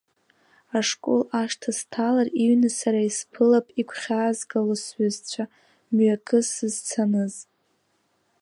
Ашкол ашҭа сҭалар, иҩны сара исԥылап игәхьаазгало сҩызцәа, мҩакы сызцаныз.